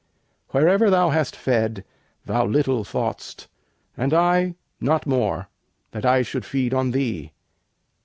Wherever thou hast fed, thou little thought'st, And I not more, that I should feed on thee.